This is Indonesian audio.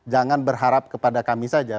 jangan berharap kepada kami saja